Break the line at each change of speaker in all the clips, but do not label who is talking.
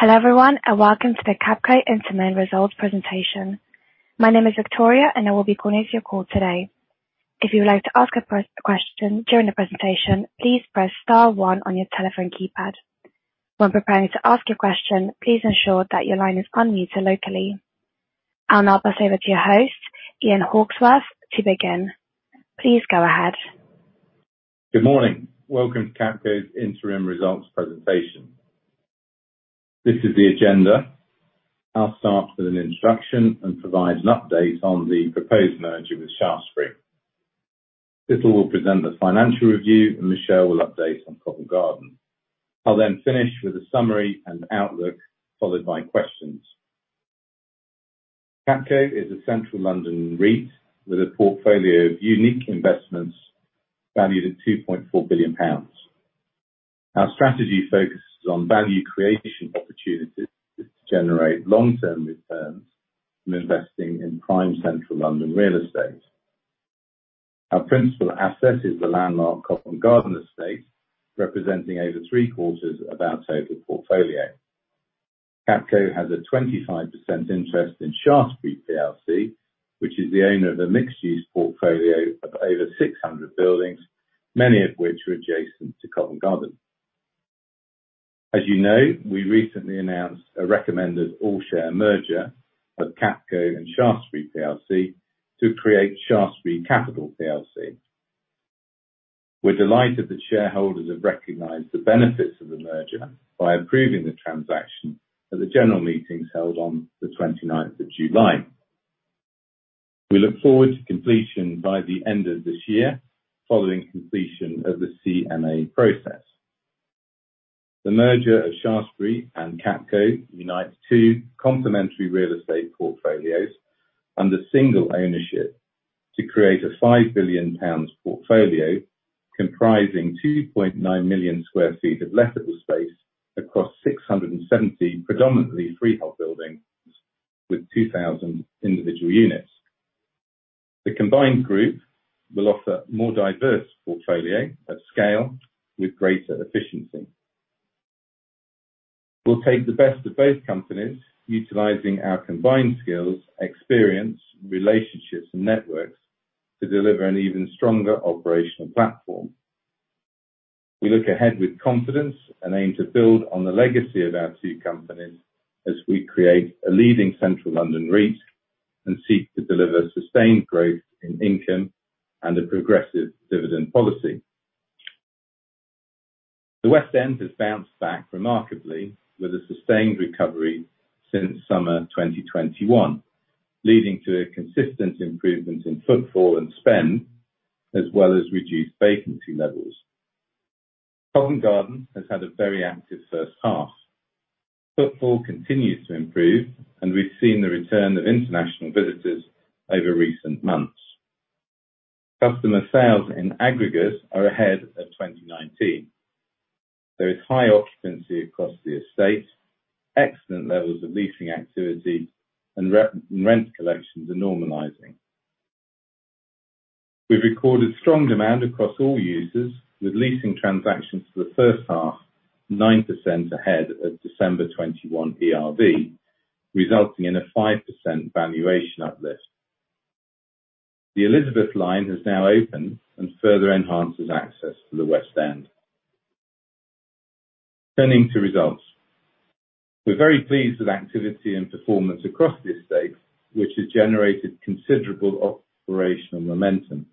Hello everyone, and welcome to the Capco Interim Results presentation. My name is Victoria and I will be coordinating your call today. If you would like to ask a question during the presentation, please press star one on your telephone keypad. When preparing to ask your question, please ensure that your line is unmuted locally. I'll now pass over to your host, Ian Hawksworth to begin. Please go ahead.
Good morning. Welcome to Capco's Interim Results presentation. This is the agenda. I'll start with an introduction and provide an update on the proposed merger with Shaftesbury. Situl will present the financial review, and Michelle will update on Covent Garden. I'll then finish with a summary and outlook, followed by questions. Capco is a central London REIT with a portfolio of unique investments valued at 2.4 billion pounds. Our strategy focuses on value creation opportunities to generate long-term returns from investing in prime central London real estate. Our principal asset is the landmark Covent Garden estate, representing over three-quarters of our total portfolio. Capco has a 25% interest in Shaftesbury PLC, which is the owner of the mixed-use portfolio of over 600 buildings, many of which were adjacent to Covent Garden. As you know, we recently announced a recommended all-share merger of Capco and Shaftesbury PLC to create Shaftesbury Capital PLC. We're delighted that shareholders have recognized the benefits of the merger by approving the transaction at the general meetings held on the 29th of July. We look forward to completion by the end of this year, following completion of the CMA process. The merger of Shaftesbury and Capco unites two complementary real estate portfolios under single ownership to create a 5 billion pounds portfolio comprising 2.9 million sq ft of lettable space across 670 predominantly freehold buildings with 2,000 individual units. The combined group will offer more diverse portfolio at scale with greater efficiency. We'll take the best of both companies, utilizing our combined skills, experience, relationships, and networks to deliver an even stronger operational platform. We look ahead with confidence and aim to build on the legacy of our two companies as we create a leading central London REIT and seek to deliver sustained growth in income and a progressive dividend policy. The West End has bounced back remarkably with a sustained recovery since summer 2021, leading to a consistent improvement in footfall and spend, as well as reduced vacancy levels. Covent Garden has had a very active first half. Footfall continues to improve, and we've seen the return of international visitors over recent months. Customer sales in aggregate are ahead of 2019. There is high occupancy across the estate, excellent levels of leasing activity and rent collections are normalizing. We've recorded strong demand across all users with leasing transactions for the first half, 9% ahead of December 2021 ERV, resulting in a 5% valuation uplift. The Elizabeth Line has now opened and further enhances access to the West End. Turning to results. We're very pleased with activity and performance across the estate, which has generated considerable operational momentum.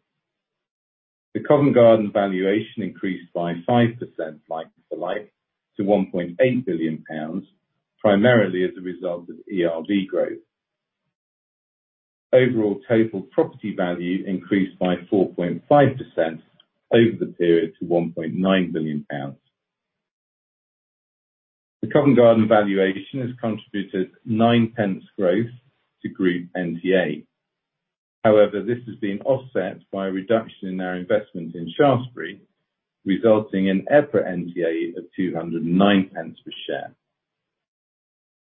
The Covent Garden valuation increased by 5% like-for-like to 1.8 billion pounds, primarily as a result of ERV growth. Overall, total property value increased by 4.5% over the period to 1.9 billion pounds. The Covent Garden valuation has contributed 0.09 growth to group NTA. However, this has been offset by a reduction in our investment in Shaftesbury, resulting in EPRA NTA of 2.09 per share.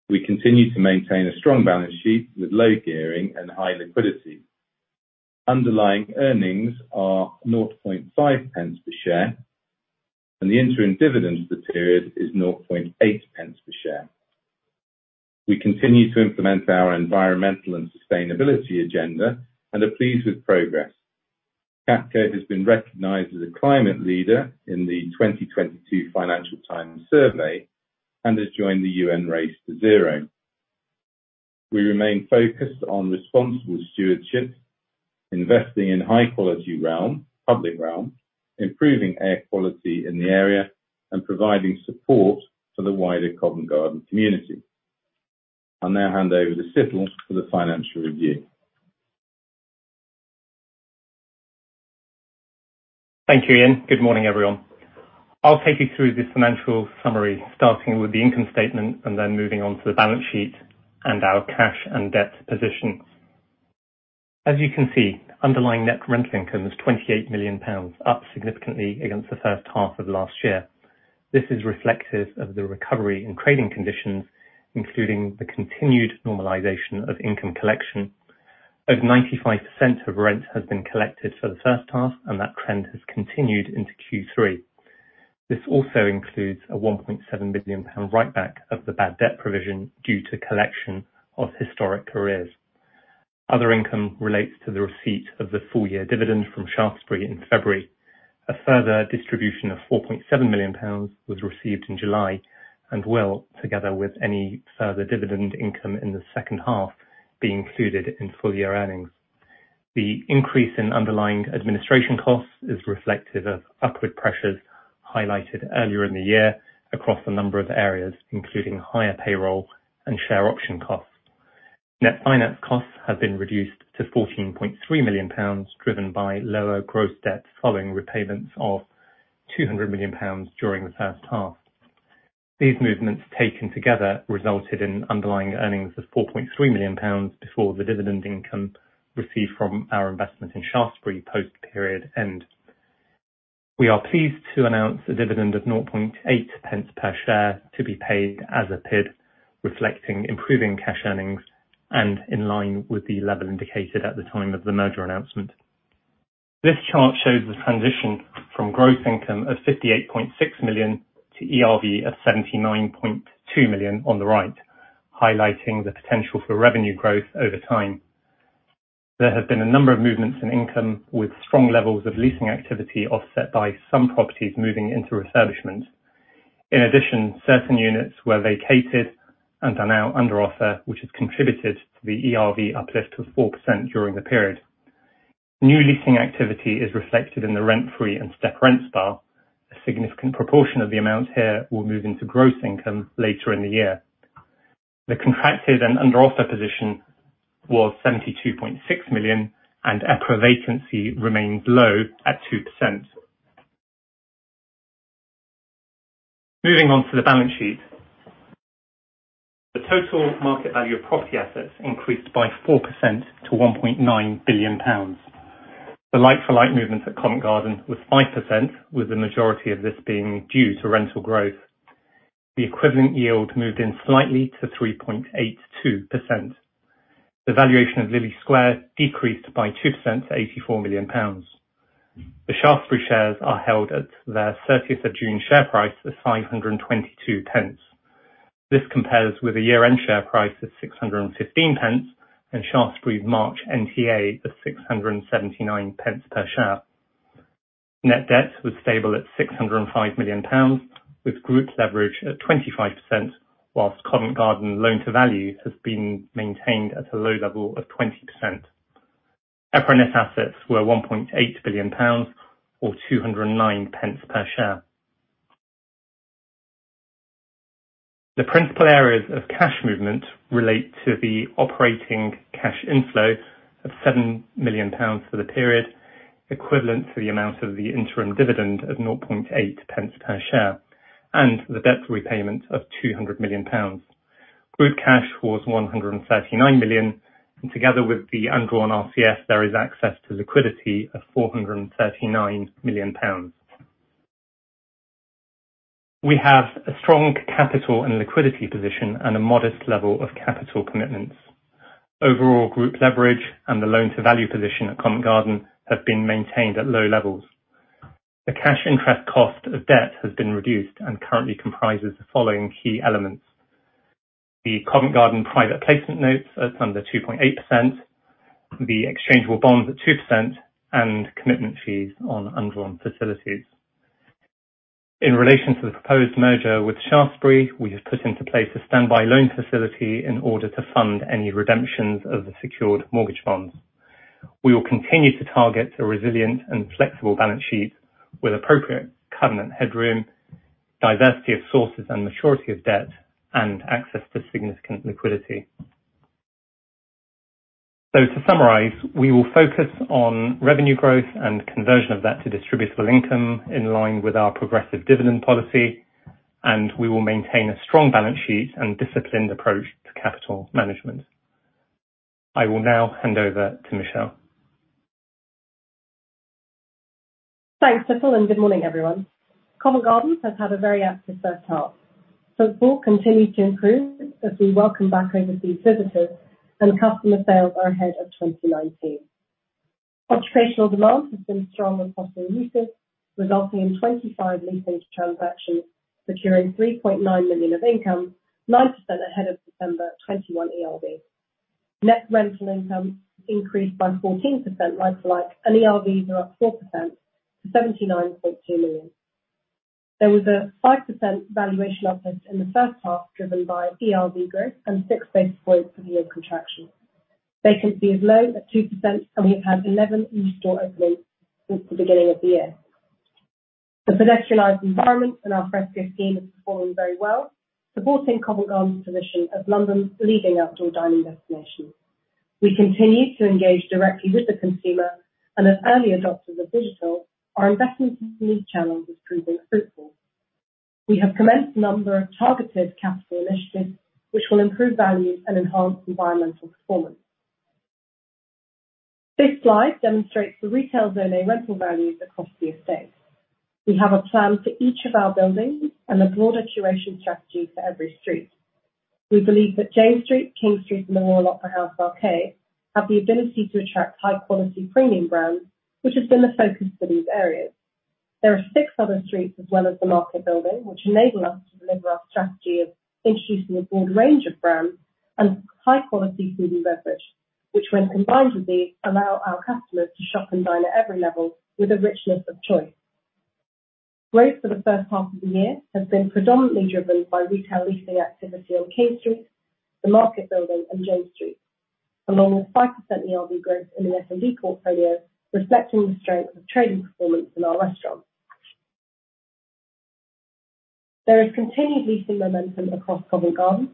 We continue to maintain a strong balance sheet with low gearing and high liquidity. Underlying earnings are 0.005 per share, and the interim dividend for the period is 0.008 per share. We continue to implement our environmental and sustainability agenda and are pleased with progress. Capco has been recognized as a climate leader in the 2022 Financial Times survey and has joined the UN Race to Zero. We remain focused on responsible stewardship, investing in high quality realm, public realm, improving air quality in the area, and providing support for the wider Covent Garden community. I'll now hand over to Situl for the financial review.
Thank you, Ian. Good morning, everyone. I'll take you through the financial summary, starting with the income statement and then moving on to the balance sheet and our cash and debt positions. As you can see, underlying net rental income is 28 million pounds, up significantly against the first half of last year. This is reflective of the recovery in trading conditions, including the continued normalization of income collection. Over 95% of rent has been collected for the first half, and that trend has continued into Q3. This also includes a 1.7 billion pound write back of the bad debt provision due to collection of historic arrears. Other income relates to the receipt of the full year dividend from Shaftesbury in February. A further distribution of 4.7 million pounds was received in July and will, together with any further dividend income in the second half, be included in full year earnings. The increase in underlying administration costs is reflective of upward pressures highlighted earlier in the year across a number of areas, including higher payroll and share option costs. Net finance costs have been reduced to 14.3 million pounds, driven by lower gross debt following repayments of 200 million pounds during the first half. These movements, taken together, resulted in underlying earnings of 4.3 million pounds before the dividend income received from our investment in Shaftesbury post period end. We are pleased to announce a dividend of 0.008 per share to be paid as a PID, reflecting improving cash earnings and in line with the level indicated at the time of the merger announcement. This chart shows the transition from gross income of 58.6 million to ERV of 79.2 million on the right, highlighting the potential for revenue growth over time. There have been a number of movements in income with strong levels of leasing activity offset by some properties moving into refurbishment. In addition, certain units were vacated and are now under offer, which has contributed to the ERV uplift of 4% during the period. New leasing activity is reflected in the rent-free and step rent bar. A significant proportion of the amount here will move into gross income later in the year. The contracted and under offer position was 72.6 million and EPRA vacancy remains low at 2%. Moving on to the balance sheet. The total market value of property assets increased by 4% to 1.9 billion pounds. The like-for-like movement at Covent Garden was 5%, with the majority of this being due to rental growth. The equivalent yield moved in slightly to 3.82%. The valuation of Lillie Square decreased by 2% to 84 million pounds. The Shaftesbury shares are held at their 30th of June share price of 5.22. This compares with a year-end share price of 6.15 and Shaftesbury's March NTA of 6.79 per share. Net debt was stable at 605 million pounds, with group leverage at 25%, while Covent Garden loan to value has been maintained at a low level of 20%. EPRA net assets were 1.8 billion pounds or 2.09 per share. The principal areas of cash movement relate to the operating cash inflow of 7 million pounds for the period, equivalent to the amount of the interim dividend of 0.008 per share, and the debt repayment of 200 million pounds. Group cash was 139 million, and together with the undrawn RCF, there is access to liquidity of 439 million pounds. We have a strong capital and liquidity position and a modest level of capital commitments. Overall group leverage and the loan to value position at Covent Garden have been maintained at low levels. The cash interest cost of debt has been reduced and currently comprises the following key elements. The Covent Garden private placement notes at under 2.8%, the exchangeable bonds at 2%, and commitment fees on undrawn facilities. In relation to the proposed merger with Shaftesbury, we have put into place a standby loan facility in order to fund any redemptions of the secured mortgage bonds. We will continue to target a resilient and flexible balance sheet with appropriate covenant headroom, diversity of sources and maturity of debt, and access to significant liquidity. To summarize, we will focus on revenue growth and conversion of that to distributable income in line with our progressive dividend policy, and we will maintain a strong balance sheet and disciplined approach to capital management. I will now hand over to Michelle.
Thanks, Situl, and good morning, everyone. Covent Garden has had a very active first half. Footfall continued to improve as we welcome back overseas visitors and customer sales are ahead of 2019. Occupier demand has been strong across all leases, resulting in 25 leasing transactions securing 3.9 million of income, 9% ahead of December 2021 ERV. Net rental income increased by 14% like to like, and ERVs are up 4% to 79.2 million. There was a 5% valuation uplift in the first half, driven by ERV growth and 6 basis points of yield contraction. Vacancy is low at 2%, and we've had 11 in-store openings since the beginning of the year. The pedestrianized environment and al fresco scheme is performing very well, supporting Covent Garden's position as London's leading outdoor dining destination. We continue to engage directly with the consumer and as early adopters of digital, our investment in these channels is proving fruitful. We have commenced a number of targeted capital initiatives which will improve value and enhance environmental performance. This slide demonstrates the retail Zone A rental values across the estate. We have a plan for each of our buildings and a broader curation strategy for every street. We believe that James Street, King Street, and the Royal Opera House Arcade have the ability to attract high-quality premium brands, which has been the focus for these areas. There are six other streets as well as the Market building, which enable us to deliver our strategy of introducing a broad range of brands and high-quality food and beverage, which when combined with these, allow our customers to shop and dine at every level with a richness of choice. Growth for the first half of the year has been predominantly driven by retail leasing activity on King Street, the Market building, and James Street, along with 5% ERV growth in the F&B portfolio, reflecting the strength of trading performance in our restaurants. There is continued leasing momentum across Covent Garden.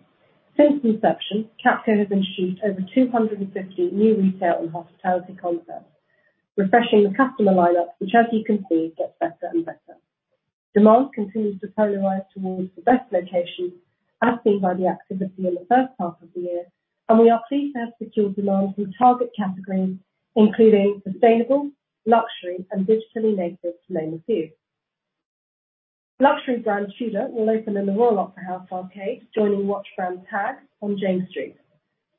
Since inception, Capco has introduced over 250 new retail and hospitality concepts, refreshing the customer line-up, which as you can see, gets better and better. Demand continues to polarize towards the best locations as seen by the activity in the first half of the year, and we are pleased to have secured demand from target categories, including sustainable, luxury, and digitally native to name a few. Luxury brand Tudor will open in the Royal Opera House Arcade, joining watch brand TAG Heuer on James Street.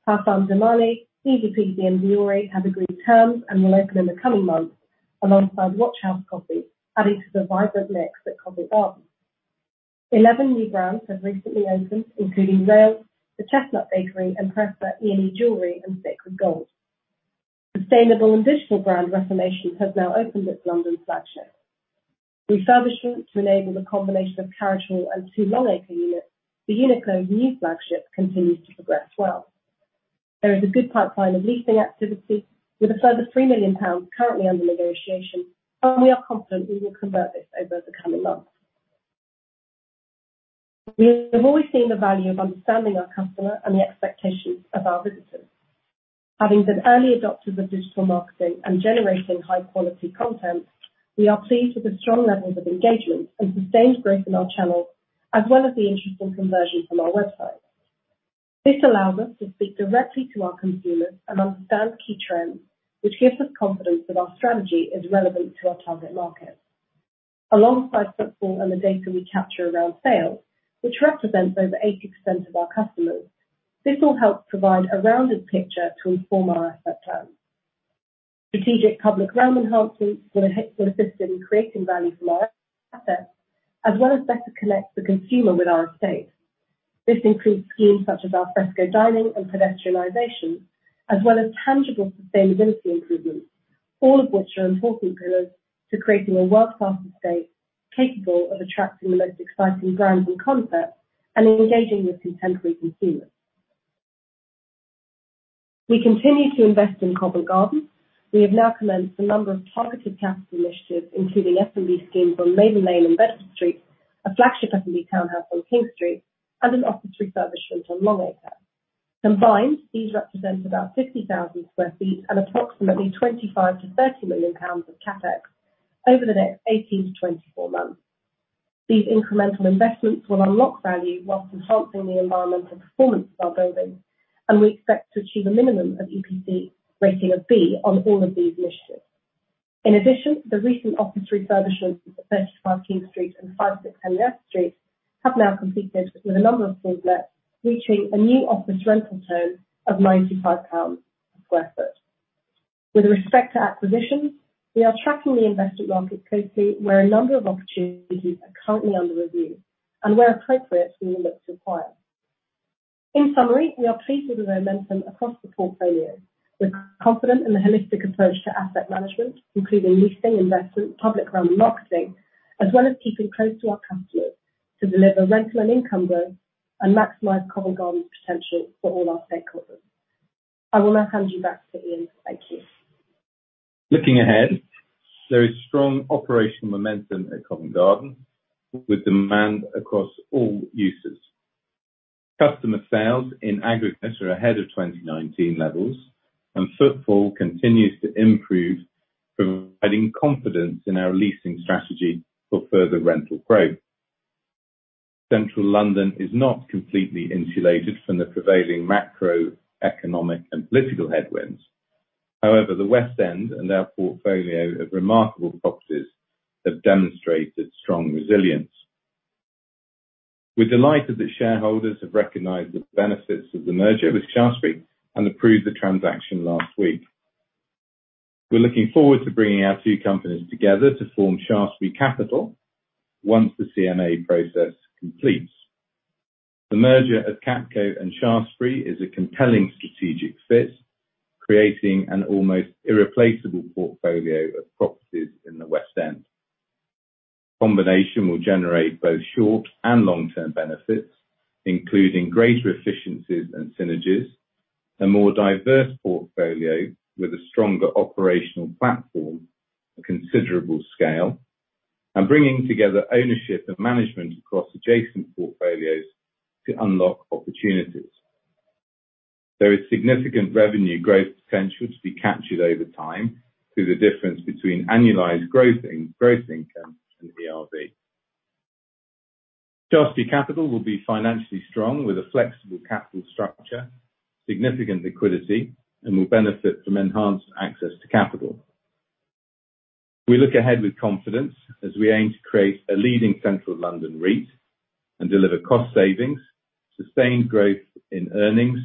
Parfums de Marly, IZIPIZI, and Vuori have agreed terms and will open in the coming months alongside Watch House Coffee, adding to the vibrant mix at Covent Garden. 11 new brands have recently opened, including Rails, The Chestnut Bakery, Empresa, e&e Jewellery and Sacred Gold. Sustainable and digital brand Reformation has now opened its London flagship. Refurbishment to enable the combination of Carriage Hall and two Long Acre units, the Uniqlo new flagship continues to progress well. There is a good pipeline of leasing activity with a further 3 million pounds currently under negotiation, and we are confident we will convert this over the coming months. We have always seen the value of understanding our customer and the expectations of our visitors. Having been early adopters of digital marketing and generating high-quality content, we are pleased with the strong levels of engagement and sustained growth in our channels, as well as the interest in conversion from our website. This allows us to speak directly to our consumers and understand key trends, which gives us confidence that our strategy is relevant to our target market. Alongside football and the data we capture around sales, which represents over 80% of our customers, this will help provide a rounded picture to inform our asset plan. Strategic public realm enhancements will assist in creating value for our assets, as well as better connect the consumer with our estate. This includes schemes such as al fresco dining and pedestrianization, as well as tangible sustainability improvements, all of which are important pillars to creating a world-class estate capable of attracting the most exciting brands and concepts and engaging with contemporary consumers. We continue to invest in Covent Garden. We have now commenced a number of targeted capital initiatives, including F&B schemes on Maiden Lane and Bedford Street, a flagship F&B townhouse on King Street, and an office refurbishment on Long Acre. Combined, these represent about 50,000 sq ft and approximately 25 million-30 million pounds of CapEx over the next 18-24 months. These incremental investments will unlock value while enhancing the environmental performance of our buildings, and we expect to achieve a minimum of EPC rating of B on all of these initiatives. In addition, the recent office refurbishments at 35 King Street and 5-6 Henrietta Street have now completed with a number of sublets, reaching a new office rental term of 95 pounds per sq ft. With respect to acquisitions, we are tracking the investment market closely where a number of opportunities are currently under review, and where appropriate, we will look to acquire. In summary, we are pleased with the momentum across the portfolio. We're confident in the holistic approach to asset management, including leasing, investment, public realm marketing, as well as keeping close to our customers to deliver rental and income growth and maximize Covent Garden's potential for all our stakeholders. I will now hand you back to Ian. Thank you.
Looking ahead, there is strong operational momentum at Covent Garden with demand across all uses. Customer sales in aggregate are ahead of 2019 levels and footfall continues to improve, providing confidence in our leasing strategy for further rental growth. Central London is not completely insulated from the prevailing macroeconomic and political headwinds. However, the West End and our portfolio of remarkable properties have demonstrated strong resilience. We're delighted that shareholders have recognized the benefits of the merger with Shaftesbury and approved the transaction last week. We're looking forward to bringing our two companies together to form Shaftesbury Capital once the CMA process completes. The merger of Capco and Shaftesbury is a compelling strategic fit, creating an almost irreplaceable portfolio of properties in the West End. Combination will generate both short and long-term benefits, including greater efficiencies and synergies, a more diverse portfolio with a stronger operational platform, a considerable scale, and bringing together ownership and management across adjacent portfolios to unlock opportunities. There is significant revenue growth potential to be captured over time through the difference between annualized gross income and ERV. Shaftesbury Capital will be financially strong with a flexible capital structure, significant liquidity, and will benefit from enhanced access to capital. We look ahead with confidence as we aim to create a leading Central London REIT and deliver cost savings, sustained growth in earnings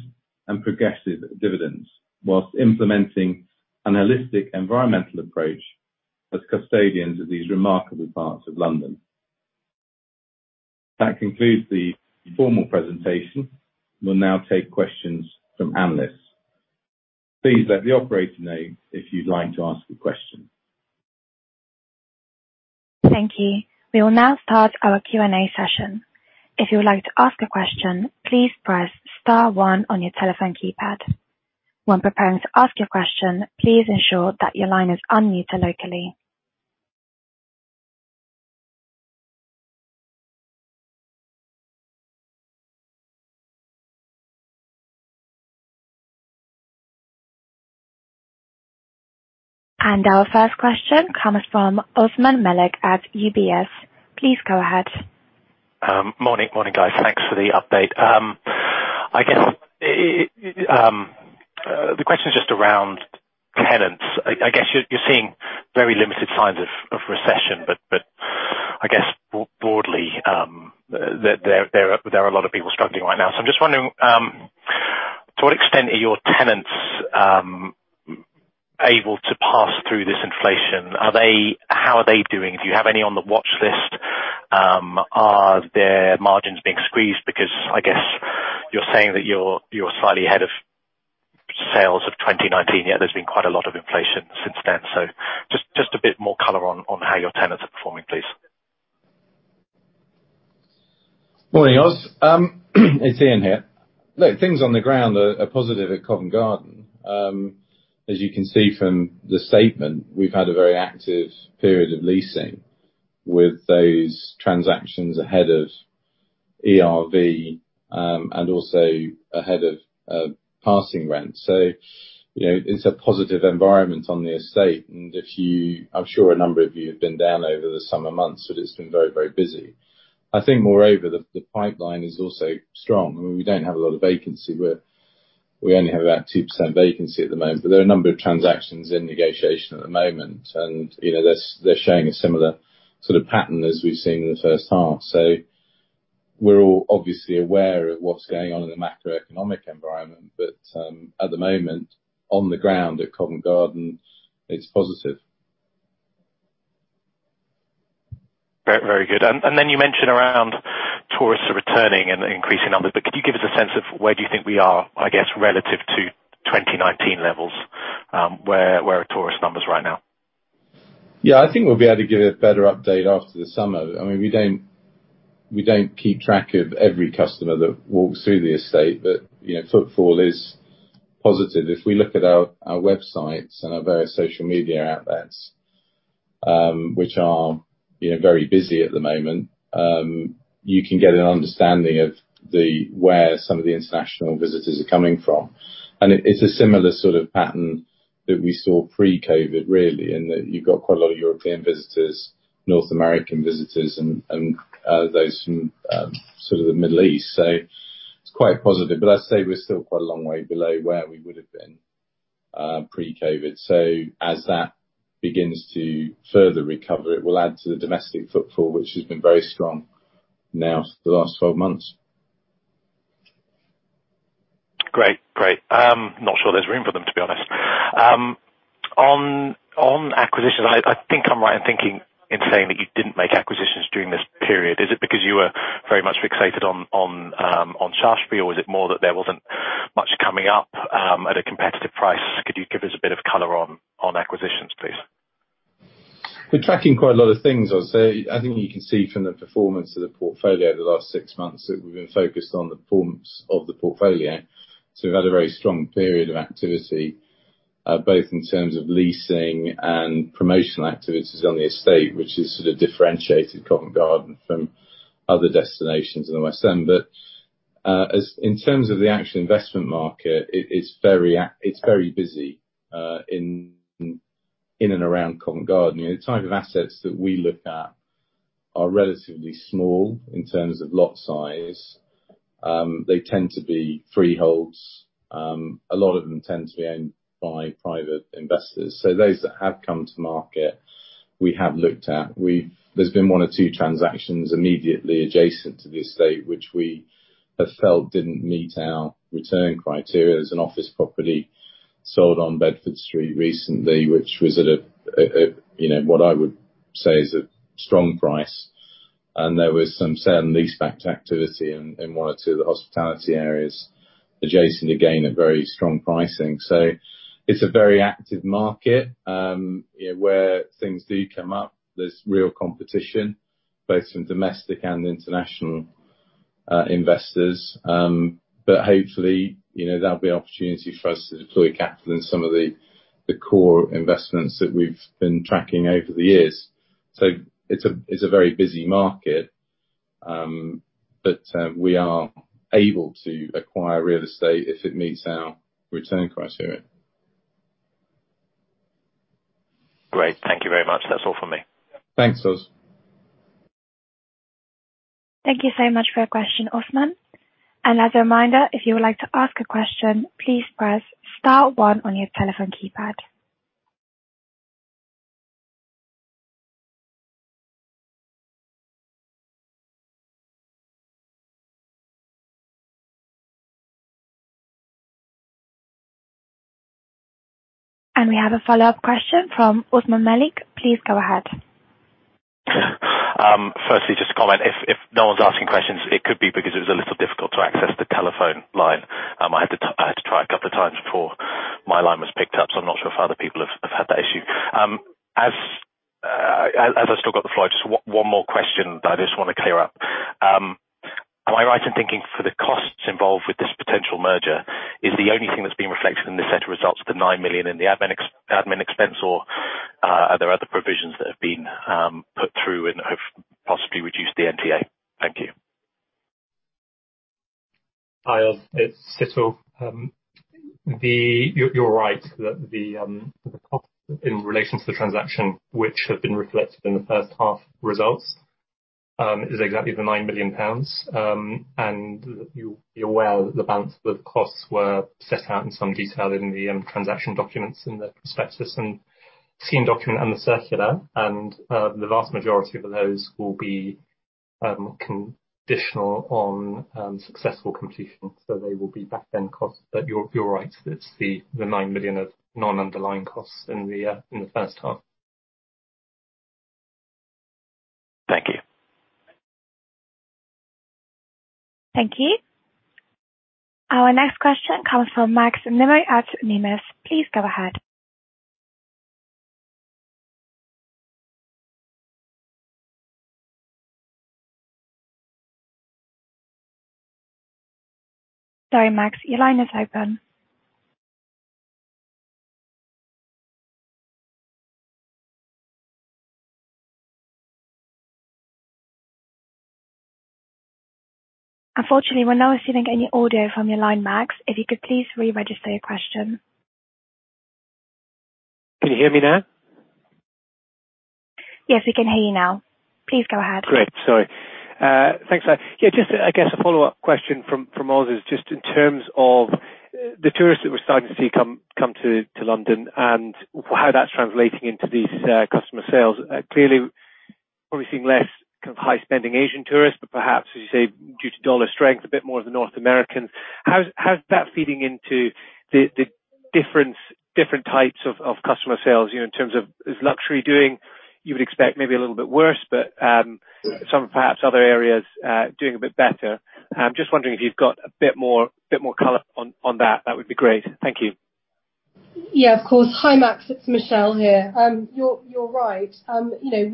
and progressive dividends, whilst implementing an holistic environmental approach as custodians of these remarkable parts of London. That concludes the formal presentation. We'll now take questions from analysts. Please let the operator know if you'd like to ask a question.
Thank you. We will now start our Q&A session. If you would like to ask a question, please press star one on your telephone keypad. When preparing to ask your question, please ensure that your line is unmuted locally. Our first question comes from Osmaan Malik at UBS. Please go ahead.
Morning. Morning, guys. Thanks for the update. I guess the question is just around tenants. I guess you're seeing very limited signs of recession, but I guess broadly, there are a lot of people struggling right now. I'm just wondering to what extent are your tenants able to pass through this inflation? Are they? How are they doing? Do you have any on the watchlist? Are their margins being squeezed? Because I guess you're saying that you're slightly ahead of sales of 2019, yet there's been quite a lot of inflation since then. Just a bit more color on how your tenants are performing, please.
Morning, Os. It's Ian here. Look, things on the ground are positive at Covent Garden. As you can see from the statement, we've had a very active period of leasing with those transactions ahead of ERV, and also ahead of passing rent. You know, it's a positive environment on the estate, and I'm sure a number of you have been down over the summer months, but it's been very, very busy. I think moreover, the pipeline is also strong. I mean, we don't have a lot of vacancy. We only have about 2% vacancy at the moment, but there are a number of transactions in negotiation at the moment. You know, they're showing a similar sort of pattern as we've seen in the first half. We're all obviously aware of what's going on in the macroeconomic environment, but, at the moment, on the ground at Covent Garden, it's positive.
Very, very good. You mentioned that tourists are returning in increasing numbers. Could you give us a sense of where you think we are, I guess, relative to 2019 levels? Where are tourist numbers right now?
Yeah, I think we'll be able to give a better update after the summer. I mean, we don't keep track of every customer that walks through the estate, but you know, footfall is positive. If we look at our websites and our various social media outlets, which are, you know, very busy at the moment, you can get an understanding of where some of the international visitors are coming from. It's a similar sort of pattern that we saw pre-COVID really, in that you've got quite a lot of European visitors, North American visitors and sort of the Middle East. It's quite positive, but I'd say we're still quite a long way below where we would've been pre-COVID. As that begins to further recover, it will add to the domestic footfall, which has been very strong now for the last 12 months.
Great. Not sure there's room for them to be honest. On acquisition, I think I'm right in thinking in saying that you didn't make acquisitions during this period. Is it because you were very much fixated on Shaftesbury or was it more that there wasn't much coming up at a competitive price? Could you give us a bit of color on acquisitions please?
We're tracking quite a lot of things, I'd say. I think you can see from the performance of the portfolio over the last six months that we've been focused on the performance of the portfolio. We've had a very strong period of activity, both in terms of leasing and promotional activities on the estate, which has sort of differentiated Covent Garden from other destinations in the West End. In terms of the actual investment market, it's very busy in and around Covent Garden. You know, the type of assets that we look at are relatively small in terms of lot size. They tend to be freeholds. A lot of them tend to be owned by private investors. Those that have come to market, we have looked at. There's been one or two transactions immediately adjacent to the estate, which we have felt didn't meet our return criteria. There's an office property sold on Bedford Street recently, which was at a, you know, what I would say is a strong price. There was some certain leaseback activity in one or two of the hospitality areas adjacent, again, at very strong pricing. It's a very active market. You know, where things do come up, there's real competition, both from domestic and international investors. Hopefully, you know, there'll be opportunity for us to deploy capital in some of the core investments that we've been tracking over the years. It's a very busy market, but we are able to acquire real estate if it meets our return criteria.
Thank you very much. That's all from me.
Thanks, Os.
Thank you so much for your question, Osmaan. As a reminder, if you would like to ask a question, please press star one on your telephone keypad. We have a follow-up question from Osmaan Malik. Please go ahead.
Firstly, just to comment, if no one's asking questions, it could be because it was a little difficult to access the telephone line. I had to try a couple of times before my line was picked up, so I'm not sure if other people have had that issue. As I've still got the floor, just one more question that I just wanna clear up. Am I right in thinking for the costs involved with this potential merger, is the only thing that's being reflected in this set of results, the 9 million in the admin expense, or are there other provisions that have been put through and have possibly reduced the NTA? Thank you.
Hi, Os. It's Situl. You're right that the cost in relation to the transaction, which have been reflected in the first half results, is exactly 9 million pounds. You're aware that the balance of the costs were set out in some detail in the transaction documents and the prospectus and scheme document and the circular. The vast majority of those will be conditional on successful completion. They will be back-end costs, but you're right. It's the 9 million of non-underlying costs in the first half.
Thank you.
Thank you. Our next question comes from Max Nimmo at Numis. Please go ahead. Sorry, Max, your line is open. Unfortunately, we're not receiving any audio from your line, Max. If you could please re-register your question.
Can you hear me now?
Yes, we can hear you now. Please go ahead.
Great, sorry. Thanks for that. Yeah, just, I guess a follow-up question from Os is just in terms of the tourists that we're starting to see come to London and how that's translating into these customer sales. Clearly probably seeing less kind of high-spending Asian tourists, but perhaps, as you say, due to dollar strength, a bit more of the North Americans. How's that feeding into the different types of customer sales, you know, in terms of is luxury doing, you would expect maybe a little bit worse, but some perhaps other areas doing a bit better. Just wondering if you've got a bit more color on that. That would be great. Thank you.
Yeah, of course. Hi, Max. It's Michelle here. You're right. You know,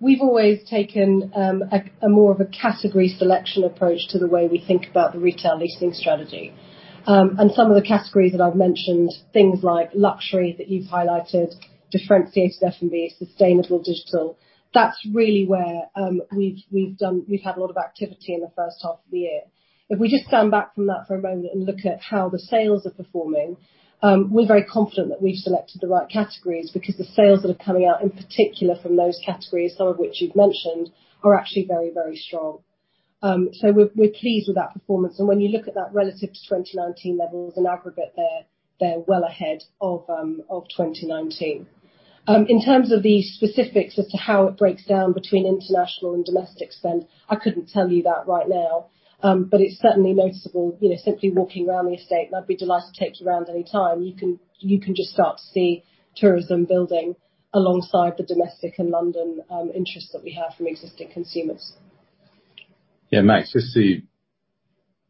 we've always taken a more of a category selection approach to the way we think about the retail leasing strategy. Some of the categories that I've mentioned, things like luxury that you've highlighted, differentiated F&B, sustainable digital. That's really where we've had a lot of activity in the first half of the year. If we just stand back from that for a moment and look at how the sales are performing, we're very confident that we've selected the right categories because the sales that are coming out, in particular from those categories, some of which you've mentioned, are actually very strong. We're pleased with that performance. When you look at that relative to 2019 levels in aggregate, they're well ahead of 2019. In terms of the specifics as to how it breaks down between international and domestic spend, I couldn't tell you that right now. But it's certainly noticeable, you know, simply walking around the estate, and I'd be delighted to take you around any time. You can just start to see tourism building alongside the domestic and London interest that we have from existing consumers.
Yeah, Max, just to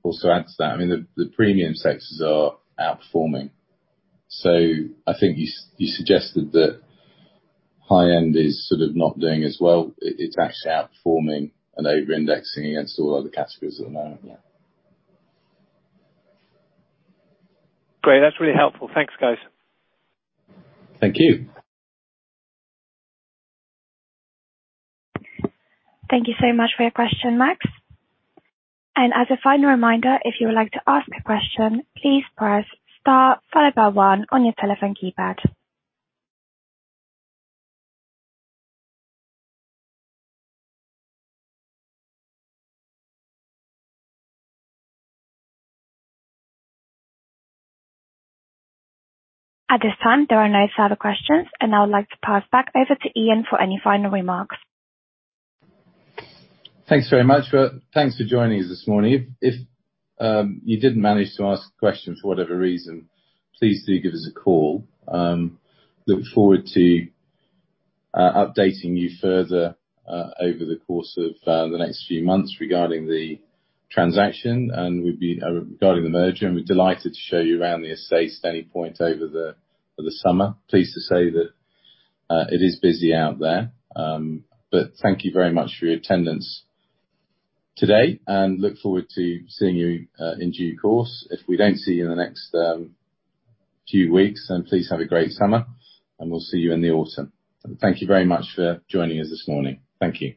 also add to that, I mean, the premium sectors are outperforming. I think you suggested that high-end is sort of not doing as well. It's actually outperforming and over-indexing against all other categories at the moment. Yeah.
Great. That's really helpful. Thanks, guys.
Thank you.
Thank you so much for your question, Max. As a final reminder, if you would like to ask a question, please press star followed by one on your telephone keypad. At this time, there are no further questions, and I would like to pass back over to Ian for any final remarks.
Thanks very much. Well, thanks for joining us this morning. If you didn't manage to ask a question for whatever reason, please do give us a call. Look forward to updating you further over the course of the next few months regarding the merger, and we'd be delighted to show you around the estate at any point over the summer. Pleased to say that it is busy out there. Thank you very much for your attendance today and look forward to seeing you in due course. If we don't see you in the next few weeks, then please have a great summer, and we'll see you in the autumn. Thank you very much for joining us this morning. Thank you.